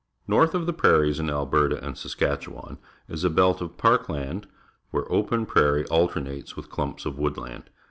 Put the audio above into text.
North of the prairies in Alberta and Saskatchewan is a belt of park land, where open prairie alternates with clumps of wood land.